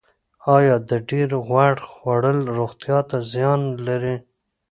ایا د ډیر غوړ خوړل روغتیا ته زیان لري